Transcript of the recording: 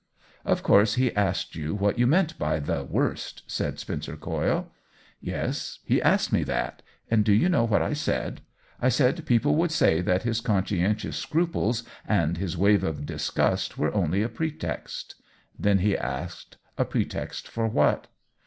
" Of course he asked you what you meant by the * worst,'" said Spencer Coyle. " Yes, he asked me that; and do you know what I said ? I said people would say that his conscientious scruples and his wave of disgust are only a pretext. Then he asked, * A pretext for what